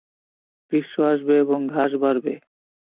গ্রিষ্ম আসবে এবং ঘাস বাড়বে।